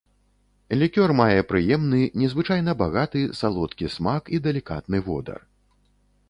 Лікёр мае прыемны, незвычайна багаты, салодкі смак і далікатны водар.